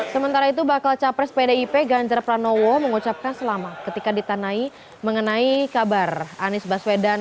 sementara itu bakal capres pdip ganjar pranowo mengucapkan selamat ketika ditanai mengenai kabar anies baswedan